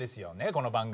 この番組。